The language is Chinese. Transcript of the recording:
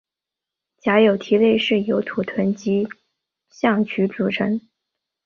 假有蹄类是由土豚及象鼩组成。